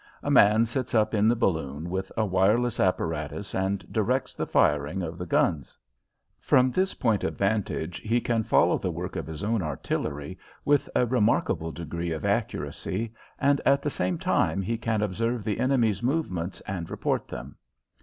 A man sits up in the balloon with a wireless apparatus and directs the firing of the guns. From his point of vantage he can follow the work of his own artillery with a remarkable degree of accuracy and at the same time he can observe the enemy's movements and report them.